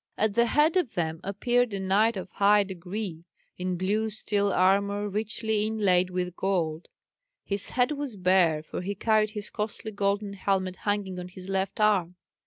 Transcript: At the head of them appeared a knight of high degree, in blue steel armour richly inlaid with gold. His head was bare, for he carried his costly golden helmet hanging on his left arm.